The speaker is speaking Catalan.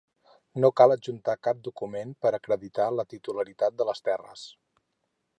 No cal adjuntar cap document per acreditar la titularitat de les terres.